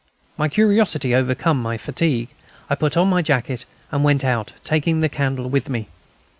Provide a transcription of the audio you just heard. My curiosity overcame my fatigue. I put on my jacket and went out, taking the candle with me.